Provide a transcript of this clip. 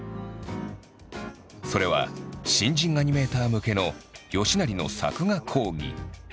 それは新人アニメーター向けの吉成の作画講義。